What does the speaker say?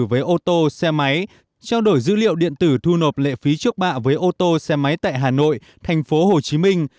với ô tô xe máy trao đổi dữ liệu điện tử thu nộp lệ phí trước bạ với ô tô xe máy tại hà nội thành phố hồ chí minh